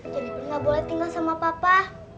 jeniper gak boleh tinggal sama papa